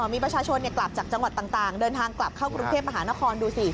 มีประชาชนกลับจากจังหวัดต่างเดินทางกลับเข้ากรุงเทพมหานครดูสิ